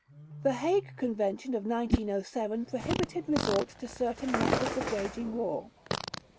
The Hague Convention of 1907 prohibited resort to certain methods of waging war.